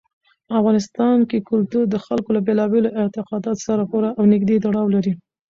افغانستان کې کلتور د خلکو له بېلابېلو اعتقاداتو سره پوره او نږدې تړاو لري.